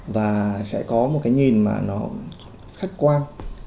và sẽ có một cái nhìn mà nó khách quan